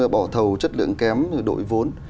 bỏ thầu chất lượng kém đội vốn